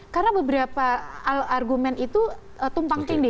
karena beberapa argumen itu tumpang tinggi